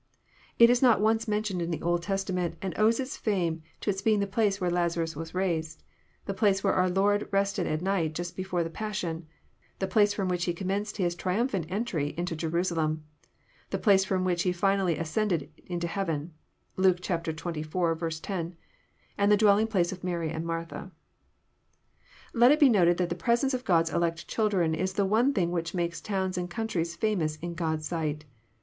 It is not once mentioned in the Old Testament, and owes its fame to its being the place where Lazarus was raised, —the place where our Lord rested at night just before the pas sion, — the place Arom which He commenced His triumphant entry into Jerusalem, — the place from which He finally ascended into heaven, (Luke xxiv. 10,) and the dwelling place of Mary and Martha. Let it be noted that the presence of God's elect children is the one thing which makes towns and countries famous in God's sight.